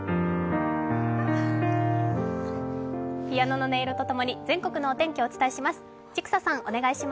ピアノの音色とともに、全国のお天気お伝えします。